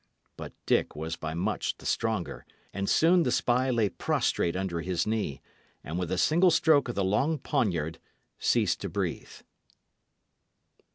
But Dick was by much the stronger, and soon the spy lay prostrate under his knee, and, with a single stroke of the long poniard, ceased to breathe.